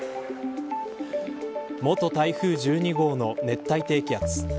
元台風１２号の熱帯低気圧。